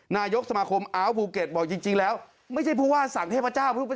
นายกสมาคมอัลภูเก็ตบอกจริงแล้วไม่ใช่ผู้ว่าสั่งเทพเจ้า